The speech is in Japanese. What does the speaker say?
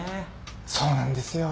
そうなんですよ。